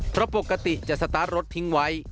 เพราะปกติจะสตาร์ทรถทิ้งไว้